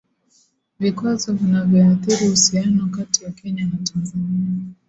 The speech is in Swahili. Vikwazo vinavyoathiri uhusiano kati ya Kenya na Tanzania